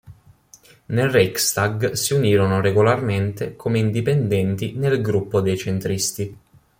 Nel Reichstag si unirono regolarmente come indipendenti nel gruppo dei centristi.